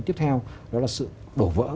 tiếp theo đó là sự đổ vỡ